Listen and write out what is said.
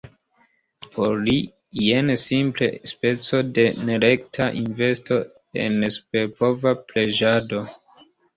Por li, jen simple speco de nerekta investo en superpova preĝado.